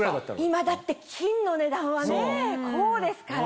今だって金の値段はねこうですから。